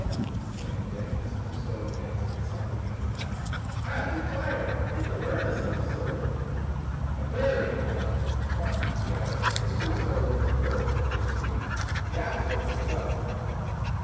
exclaimed Dick, as Crusoe advanced with something in his mouth. "I declare, it's a bird o' some sort." "A prairie hen," remarked Joe, as Crusoe laid the bird at Dick's feet; "capital for supper."